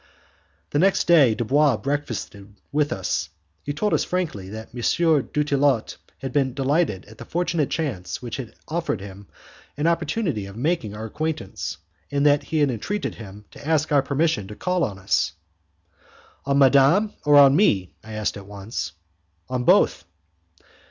The next day, Dubois breakfasted with us. He told us frankly that M. Dutillot had been delighted at the fortunate chance which had afforded him an opportunity of making our acquaintance, and that he had entreated him to ask our permission to call on us. "On madam or on me?" I asked at once. "On both."